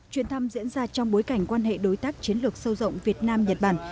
chuyến thăm diễn ra trong bối cảnh quan hệ đối tác chiến lược sâu rộng việt nam nhật bản